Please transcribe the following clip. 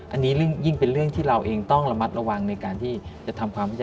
อันนี้ยิ่งเป็นเรื่องที่เราเองต้องระมัดระวังในการที่จะทำความเข้าใจ